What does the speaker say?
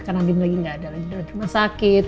karena andin lagi gak ada lagi dalam rumah sakit